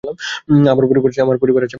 আমার পরিবার আছে।